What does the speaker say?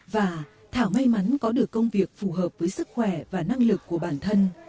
và thảo may mắn có được công việc phù hợp với sức khỏe và năng lực của bản thân